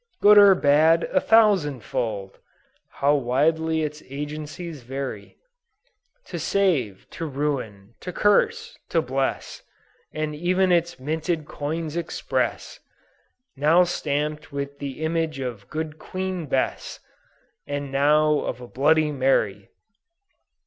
Good or bad a thousand fold! How widely its agencies vary To save to ruin to curse to bless As even its minted coins express, Now stamp'd with the image of Good Queen Bess, And now of a Bloody Mary!"